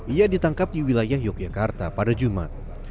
ia ditangkap di wilayah yogyakarta pada jumat